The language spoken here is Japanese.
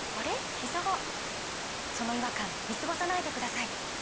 ひざがその違和感見過ごさないでください